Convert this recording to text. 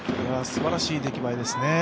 すばらしい出来栄えですね。